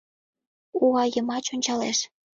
Уа йымач ончалеш